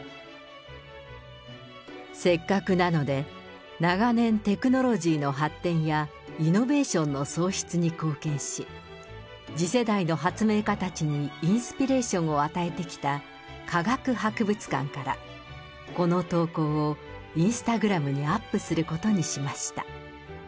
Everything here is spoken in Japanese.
せっかくなので、長年、テクノロジーの発展や、イノベーションの創出に貢献し、次世代の発明家たちにインスピレーションを与えてきた科学博物館から、この投稿をインスタグラムにアップすることにしました。